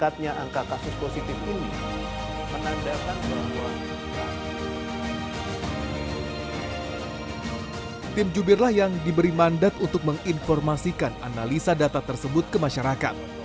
tim jubirlah yang diberi mandat untuk menginformasikan analisa data tersebut ke masyarakat